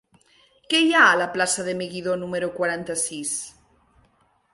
Què hi ha a la plaça de Meguidó número quaranta-sis?